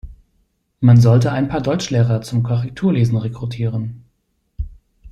Man sollte ein paar Deutschlehrer zum Korrekturlesen rekrutieren.